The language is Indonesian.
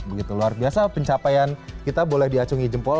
begitu luar biasa pencapaian kita boleh diacungi jempol